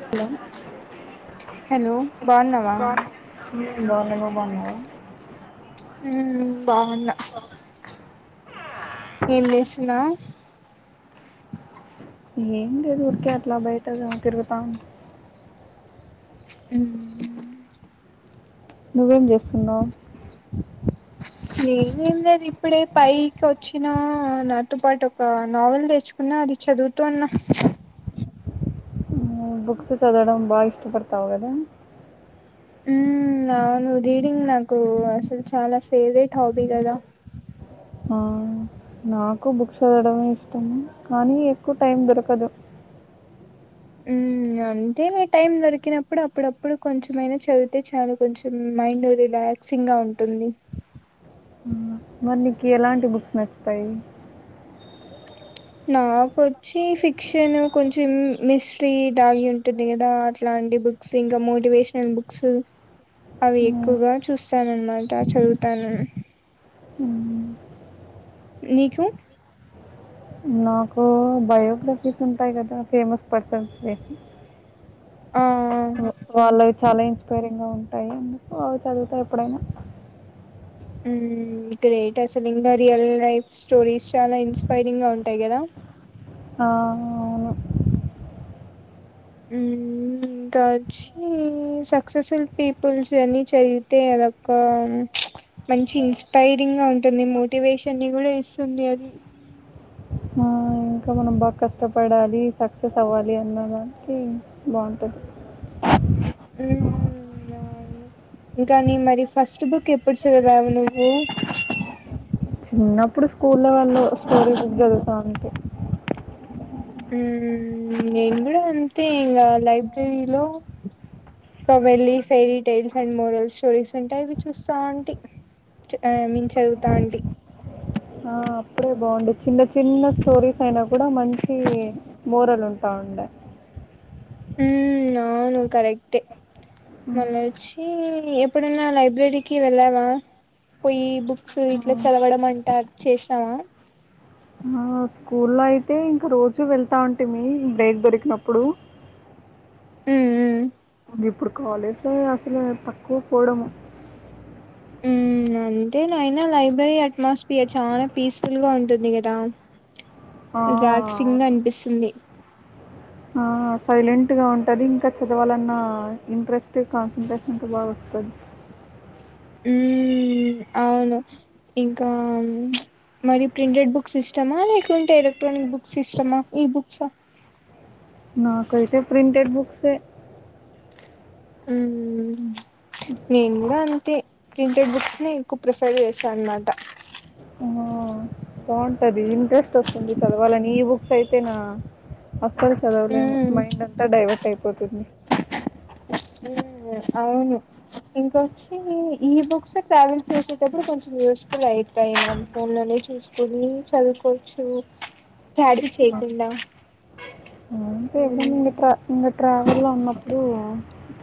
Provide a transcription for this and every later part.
Hello hello బాగున్నావా [inaudible] బన్నావా ఊ బావున్నా ఏం చేస్తున్నావు ఏం లేదు ఊరికే అట్లా బయట ద తిరుగుతాం ఊ నువ్వేం జేస్తున్నా నేనేం లేదు ఇప్పుడే పైకి వచ్చినా నాతో పాటు ఒక నావెల్ తెచ్చు కున్నా అది చదువుతూ ఉన్నా ఊ బుక్స్ చదవడం బాగా ఇష్టపడతావు గదా ఊ అవును రీడింగ్ నాకు అసలు చాలా ఫేవరెట్ హాబీ కదా ఆ నాకూ బుక్స్ చదవడం ఇష్టం కానీ ఎక్కువ టైం దొరకదు అంతే లే టైం దొరికినప్పుడు అప్పుడప్పుడు కొంచెంమైనా చదివితే చాలు కొంచెం మైండు రిలా సింగా ఉంటుంది ఊ ఆ మరి నీకు ఎలాంటి బుక్స్ నచ్చుతాయి నాకొచ్చి ఫిక్షన్ కొంచెం మిస్ట్రీ దాగి ఉంటుంది కదా అట్లాంటి బు క్స్ ఇంకా మోటివేషనల్ బుక్సు అవి ఉమ్, ఎక్కువగా చూస్తాను అన్నమాట చదువుతాను ఉమ్, నీకు నాకు బయోగ్రఫీస్ ఉంటాయి కదా ఫేమస్ పర్సన్స్ ది ఆ ఓ వాళ్ళవి చాలా ఇన్స్పైరింగ్ గా ఉంటాయి అందు కు అవి చదువుతా ఎప్పుడైనా ఉమ్ గ్రేట్ అసలు ఇంకా రియల్ లైఫ్ స్టోరీస్ చాలా ఇన్స్పైరింగ్ గా ఉంటాయి కదా ఆ అవును మ్మ్ ఇంకా వచ్చి సక్సెస్ఫుల్ పీపుల్స్ అన్నీ చదివితే అదొక్క మంచి ఇన్స్పైరింగ్ గా ఉంటుంది మోటివేషన్ ని కూడా ఇస్తుంది అది ఆ, ఇంకా మనం బాగా కష్టపడాలి సక్సెస్ అవ్వాలి అన్నదానికి బావుంటది ఊ అవు అవును ఇంకా నీ మరి ఫస్ట్ బుక్ ఎప్పుడు చదివావు నువ్వు చిన్నప్పుడు స్కూల్లో వాళ్ళు స్టోరీ బుక్ చదువుతా ఉంటి ఉమ్ నేను కూడా అంతే ఇంగ లైబ్రెరీ లో కా వెళ్ళి fairy tales and morals stories ఉంటే అవి చూస్తాం ఉంటి చ్ ఐ మీన్ చదువుతా అంటి ఆ, అప్పుడే బావుండి చిన్న చిన్న స్టోరీస్ అయినా కూడా మంచి మోరల్ ఉంటా ఉండే ఉమ్ అవును కరెక్టే ఉమ్. మళ్ళ వచ్చీ ఎప్పుడన్న లైబ్రరీకి వెళ్ళావ పొయ్యి బుక్స్ ఇట్ల చదవడమంట చేష్నావ మ స్కూల్లో ఐతే ఇంక రోజూ వెళ్తాంటిమి బ్రేక్ దొరిక్నప్పుడు ఊమ్ ఊమ్ ఇప్పుడు కాలేజ్లో అసల తక్కువ పోడము అంటే నైనా లైబ్రరీ అట్మాస్ఫియర్ చానా పీస్ఫుల్గ ఉంటుంది గదా ఆ, రిలాక్సింగ్ గ అవును అన్పిస్తుంది ఆ సైలెంట్గ ఉంటది ఇంక చదవాలన్న ఇంట్రెస్ట్ కాన్సన్ట్రేషన్ అంత బాగొస్తది ఉమ్ ఔను ఇంకామ్ చ్ మరి ప్రింటెడ్ బుక్సిష్టమా లేకుంటే ఎలక్ట్రానిక్ బుక్సిస్టమా ఈ బుక్స నాకైతె ప్రింటెడ్ బుక్సె ఉమ్ నేన్ గుడా అంతె ప్రింటెడ్ బుక్స్నె ఎక్కువ ప్రిఫర్ జేస్తా అన్మాట బాంటది ఇంట్రెస్టొస్తుంది చదవాలని ఈ బుక్సైతేన అస్సల్ చదవలేము మైండంత డైవర్టైపోతుంది ఉమ్ ఔను ఇంకొచ్చీ ఈబుక్స్ ట్రావెల్ చేసేటప్పుడు కొంచెం యూస్ఫులై [unintelligible] ఫోన్లోనే చూస్కొని చదువ్కోచ్చు క్యాడి చెయ్కుండ ఆ ఇంగ ట్రా ఇంగ ట్రావెల్లొ ఉన్నప్డూ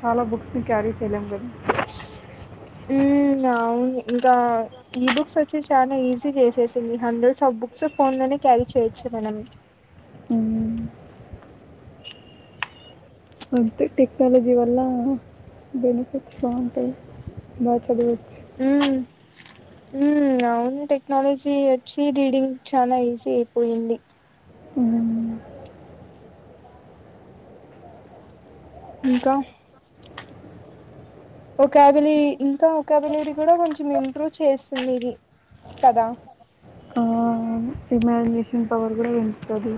చాలా బుక్స్ క్యారీ చెయ్లేమ్ గద [inaudible] ఔను ఇంకా ఈ బుక్సొచ్చి చానా ఈజీ చేసేసింది హండ్రెడ్స్ ఆఫ్ బుక్స్ ఫోన్లోనె క్యారీ చేయొచ్చు మనం హ్మ్. అంతె టెక్నాలజీ వల్లా బెనిఫిట్స్ బాంటాయ్ బాగ్ చదవొచ్చు ఊమ్ ఔను టెక్నాలజీ వచ్చి రీడింగ్ చాలా ఈజీ ఐపోయింది హ్మ్. ఇంకా ఒక్యాబులి ఇంకా ఒక్యాబులరి గుడ కొంచెమింప్రూ చేస్తుందిది కద ఆహ్, ఇమాజినేషన్ పవర్ గుడా పెంచుతది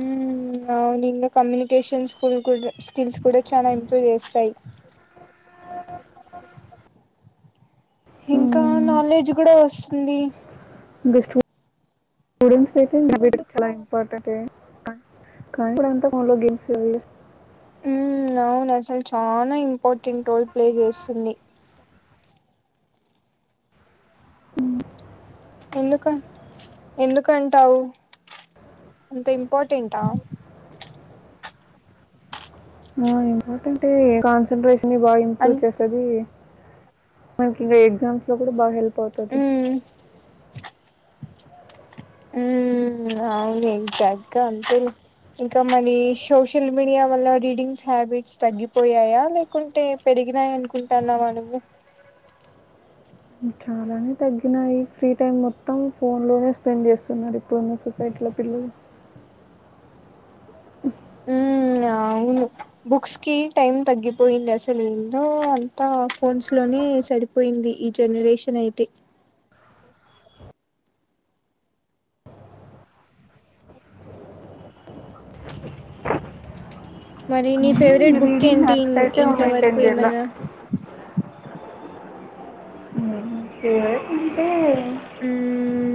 ఊమ్ ఔనింగ కమ్యూనికేషన్స్కిల్ కుడ్ స్కిల్స్ కుడ చాలా ఇంప్రూవ్ జేస్తాయ్ ఇంకా హ్మ్. నాలెడ్జ్ గుడా వస్తుంది ఇంక స్టూడెంట్సైతై [unintelligible] చాలా ఇంపార్టెంట్ కాన్ [unintelligible] గెల్సేది నానసల్ చానా ఇంపార్టెంట్ రోల్ ప్లే జేస్తుంది ఎందుక ఎందుకంటావ్ అంత ఇంపార్టెంటా ఊమ్ ఎందుకంటె కాన్సన్ంట్రేషన్ని బాగింప్రూ అన్ చేస్ తదీ ఇంకీ ఎగ్జామ్స్లొ గుడ బాగ్ హెల్పౌతది ఉమ్ ఊమ్ ఔను ఇంకగ్గ అంతేలె ఇంక మనీ సోషల్ మీడియా వల్ల రీడింగ్స్ హ్యాబిట్స్ తగ్గిపోయాయా ల్యాక్ కుంటే పెరిగినాయన్కుంటాన్నావ నువ్వు పెంచాల అనీ తగ్గినయి ఫ్రీ టైమ్ మొత్తం ఫోన్ లోనే స్పెండ్ చేస్తున్నారు ఇప్పుడున్న సొసైటీలో పిల్లలు ఉమ్ అవును బుక్స్ కి టైమ్ తగ్గిపోయింది అసలు ఏదో అంతా ఫోన్స్ లోనే సరి పోయింది ఈ జనరేషన్ అయితే మరి నీ ఫేవరెట్ కానీ బుక్ రీడింగ్ ఏంటి హ్యాబిట్ అయితే ఇంతవరకు మెయింటైన్ చేయాలి ఏమైనా ఫెవరెట్ అంటే మ్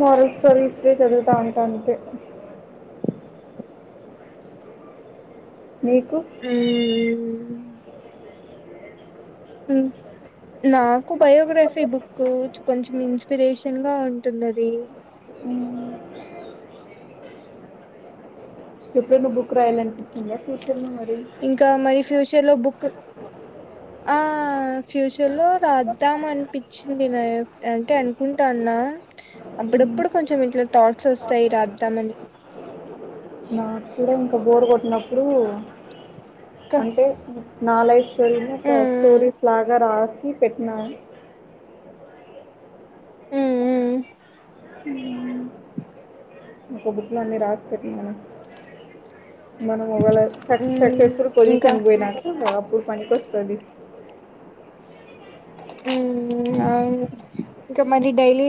మోరల్ సటర్వీస్ వే చదుతా ఉంటా అంతే నికు మ్ మ్ ఉమ్ అ నాకు బయోగ్రఫీ బుక్ కొంచెం ఇన్స్పిరేషన్గా ఉంటుంది అది ఎప్పుడైనా బుక్ రాయాలనిపిస్తుందా ఫ్యూచర్ లో మరి ఇంకా మరి ఫ్యూచర్ లో బుక్ ఆ ఫ్యూచర్ లో రాద్దాం అనిపించింది నా అంటే అనుకుంటాన్నా మ్మ్. అప్పుడప్పుడు కొంచెం ఇంట్లో థాట్స్ వస్తాయి రాద్దామని నాకు కూడా ఇంకా బోర్ కొట్టినప్పుడు ఇంకా అంటే నా లైఫ్ స్టోరీ ని ఒక స్టోరీస్ లాగా రాసి పెట్టినా మ్ హు ఒక బుక్ లో అన్ని రాసి పెట్టినాను మనం ఒకవేల సక్సెస్ఫుల్ ఇంకా పొజిషన్ కి పోయినాక అప్పుడు పనికి వస్తది మ్ అవును ఇంకా మరి డైలీ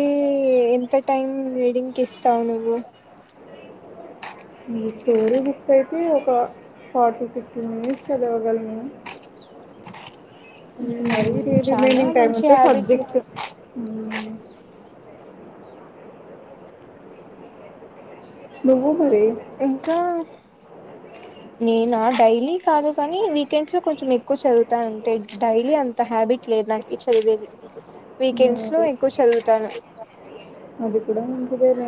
ఎంత టైం రీడింగ్ కి ఇస్తావు నువ్వు ఈ స్టోరీ బుక్స్ అయితే ఒక ఫార్టీ ఫిఫ్టీ మినిట్స్ చదవగలను మరి డైలీ చాలా రిమైనింగ్ టైమ్ మంచి అంతా హ్యాబిట్లు సబ్జెక్ట్ నువ్వు మరిే ఇంకా నేనా డైలీ కాదు కానీ వీకెండ్స్ లో కొంచెం ఎక్కువ చదువుతాన అంటే డైలీ అంత హ్యాబిట్ లేదు నాక్ ఈ చదివేది వీకెండ్స్ లో అది ఎక్కువ చదువుతాను అది కూడా నిజమేరా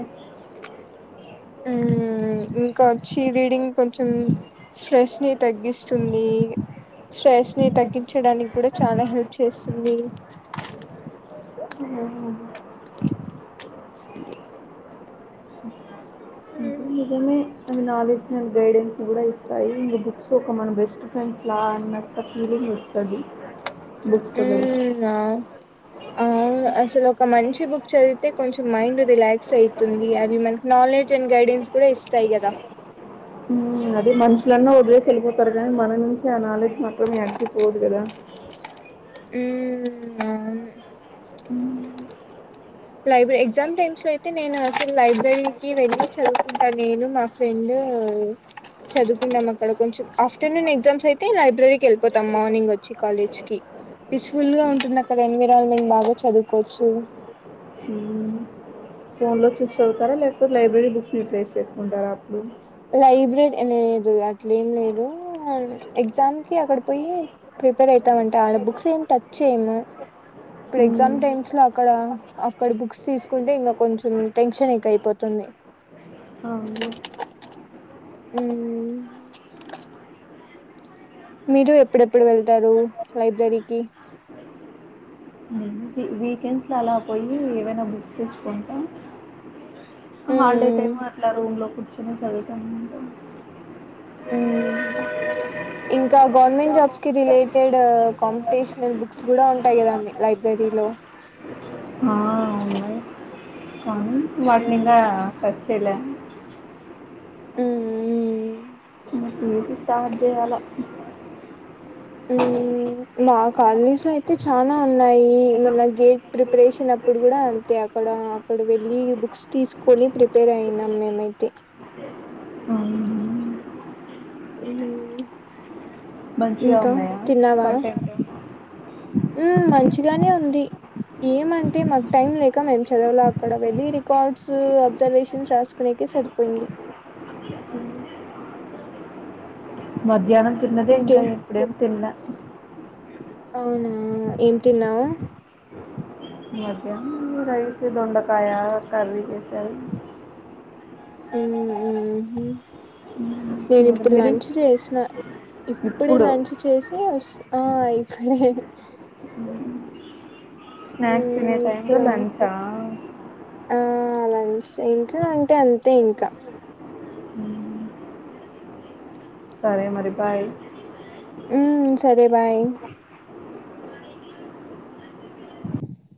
మ్ హు ఇంకా వచ్చి రీడింగ్ కొంచెం స్ట్రెస్ ని తగ్గిస్తుంది స్ట్రెస్ ని తగ్గించడానికి కూడా చాలా హెల్ప్ చేస్తుంది హ అ అవి నాలెడ్జ్ ని గైడెన్స్ కూడా ఇస్తాయి ఇంకా బుక్స్ ఒక మన బెస్ట్ ఫ్రెండ్స్ లా అన్నంత ఫీలింగ్ ఇస్ తది మ్ అ అవును అసలు ఒక మంచి బుక్ చదివితే కొంచెం మైండ్ రిలాక్స్ అవుతుంది అవి మన్ నాలెడ్జ్ అండ్ గైడెన్స్ కూడా ఇస్తాయి కదా అదే మనుషులన్నా వదిలేసి వెళ్ళిపోతారు కానీ మన నుంచి ఆ నాలెడ్జ్ మాత్రం ఎక్కడికిపోదు కదా మ్ అవును మ్మ్. లైబ్రరీ ఎగ్జామ్ టైమ్స్ లో అయితే నేను అసలు లైబ్రరీకి వెళ్ళి చదువుకుంటా నేను మా రెండూ చదువుకుందాం అక్కడ కొంచెం. ఆఫ్టర్నూన్ ఎగ్జామ్స్ అయితే లైబ్రరీకి వెళ్ళి పోతాం. మార్నింగ్ అచ్చి కాలేజ్ కి పీస్ఫుల్ గా ఉంటుంది అక్కడ ఎన్విరాన్మెంట్ బాగా చదువుకోవచ్చు. ఫోన్ లో చూసి చదువుతారా? లేకపోతే లైబ్రరీ బుక్స్ రిప్లేస్ చేసుకుంటారా అప్పుడు? లైబ్రరి ఎ లేదు అట్లేం లేదూ ఎగ్జామ్ కి అక్కడ పొయీ ప్రిపేర్ అవుతా ఉంటా, ఆడ బుక్స్ ఏం టచ్ చెయ్యము. ఇప్పుడు ఎగ్జామ్ మ్మ్. టైమ్స్ లో అక్కడా అక్కడ బుక్స్ తీసుకుంటే, ఇంక కొంచెము టెన్షన్ ఎక్కైపోతుంది. ఆ ఉంది. ఉమ్ మీరు ఎప్పుడెప్పుడు వెళ్తారూ లైబ్రరికి? నేను వీకెండ్స్లో అలా పొయీ ఏవైనా బుక్స్ తీసుకుంటా. హాలిడే టైమ్ అట్లా రూమ్ లో కూర్చుని చదువుతా ఉంటాం. స ఇంకా గవర్నమెంట్ జాబ్స్ కి రిలేటెడ్ కాంపిటీషనల్ బుక్స్ గుడా ఉంటాయి గదా అండి? లైబ్రరీలో ఆ ఉన్నయి కానీ, వాటినింకా ఉమ్ స్టర్ట్ చేయలే. ఊ ఇక్ స్టార్ట్ జేయాల? ఊ మా కాలనీస్లయితే చానా ఉన్నాయీ. మన గేట్ ప్రిపరేషన్ అప్పుడు గుడా అంతే అక్కడా అక్కడ వెళ్ళీ బుక్స్ తీసుకొని ప్రిపేర్ అయినం మేమయితే ఊ, మంచిగా ఇంకా? ఉన్నాయా తిన్నావా? కంటెంట్ ఊ, మంచిగానే ఉంది. ఏమంటే మాకు టైం లేక మేము చదవలే. అక్కడ వెళ్ళి రికార్డ్స్ అబ్జర్వేషన్స్ రాసుకునేకి సరి పొయింది మధ్యాహ్నం తిన్నదే ఇంకా ఇంకేం ఇప్పుడేం తిన్న అవునా? ఏం తిన్నావ్? మధ్యాహ్నం రైస్, దొండకాయ, అవకర్రీ జేశాను. ఊఉ ఊ ఊ హూ నేను మరి ఇప్పుడు మీరు లంచ్ జేసిన. ఇప్పుడే ఇప్పుడు లంచ్ చేసి ఒస్ ఆ ఇఫ్ఫుడే స్నాక్స్ తినే టైమ్ లో లంచా? ఆ అలా ఫ్రెండ్స్ ఉంటే అంతే ఇంకా. సరే, మరి బాయ్. ఉమ్ సరే, బాయ్.